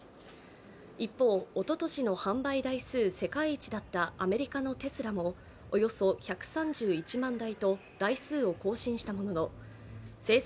一方、おととしの販売台数世界一だったアメリカのテスラもおよそ１３１万台と台数を更新したものの生産